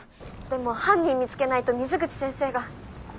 でも犯人見つけないと水口先生が。